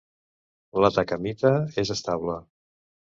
L'atacamita és estable.